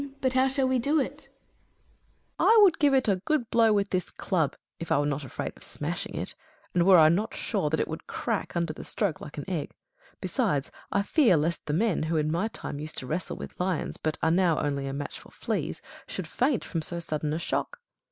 But how shall we do it ? Hercules. I would give it a good blow with this club, if I were not afraid of smashing it, and were I not sure that it would crack under the stroke like an Qgg. Besides, I fear lest the men, who in my time used to wrestle with lions, but are now only a match for fleas, should faint from so sudden a shock.